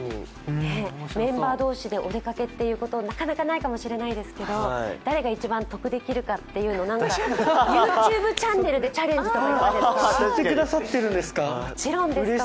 メンバー同士でお出かけということはなかなかないかもしれないですけど誰が一番、得できるかというのをＹｏｕＴｕｂｅチャンネルでチャレンジとかいかがですか。